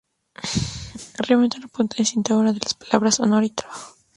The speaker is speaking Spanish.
Remata la punta una cinta de oro con las palabras Honor y Trabajo.